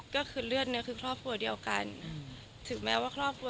ก็คือเลือดเนี้ยคือครอบครัวเดียวกันถึงแม้ว่าครอบครัว